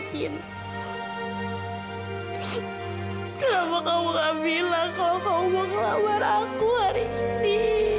kenapa kamu gak bilang kalau kamu mau ngelamar aku hari ini